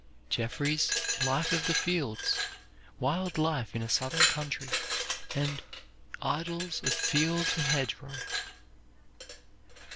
Jefferies' "Life of the Fields," "Wild Life in a Southern Country," and "Idylls of Field and Hedgerow."